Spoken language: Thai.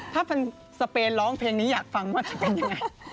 ถ้าเป็นสเปนร้องเพลงนี้อยากฟังว่าจะเป็นยังไง